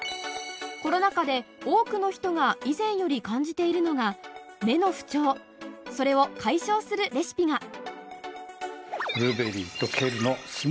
コロナ禍で多くの人が以前より感じているのが目の不調それを解消するレシピがお！